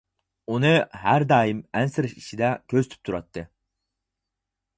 ئۇنى ھەر دائىم ئەنسىرەش ئىچىدە كۆزىتىپ تۇراتتى.